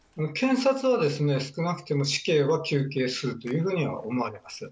検察は、少なくとも死刑は求刑するというふうに思われます。